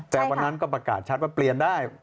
แต่วันนั้นก็ประกาศชัดว่าเปลี่ยนได้